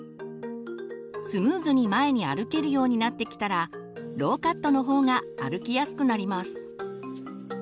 スムーズに前に歩けるようになってきたらローカットの方が歩きやすくなります。